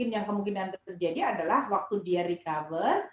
yang kemungkinan terjadi adalah waktu dia recover